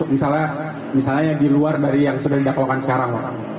misalnya misalnya yang diluar dari yang sudah didakwakan sekarang